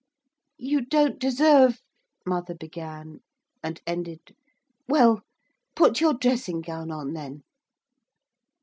'You don't deserve,' mother began, and ended, 'Well, put your dressing gown on then.'